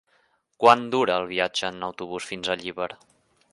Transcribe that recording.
Quant dura el viatge en autobús fins a Llíber?